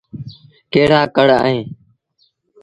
ڪهڙآ ڪهڙ اوهيݩ۔